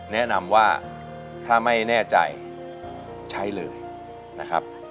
แนะนำว่าถ้าไม่แน่ใจใช้เลยนะครับ